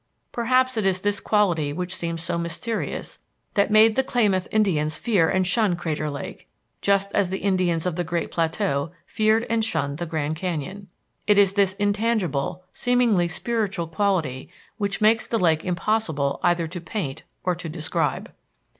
Perhaps it is this quality which seems so mysterious that made the Klamath Indians fear and shun Crater Lake, just as the Indians of the great plateau feared and shunned the Grand Canyon. It is this intangible, seemingly spiritual quality which makes the lake impossible either to paint or to describe.